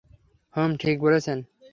হুম, ঠিক বলেছেন!